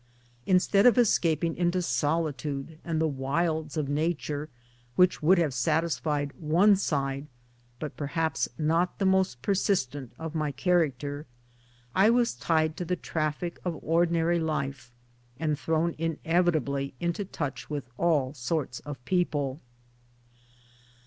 Instead of escaping into solitude and the wilds of nature which would have satisfied one side but perhaps not the most, persistent of my character, I was tied to the traffic of ordinary life, and thrown inevitably into touch with all sorts of people.